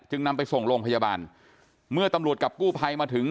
นำไปส่งโรงพยาบาลเมื่อตำรวจกับกู้ภัยมาถึง